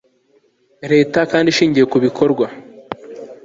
leta kandi ishingiye ku bikorwa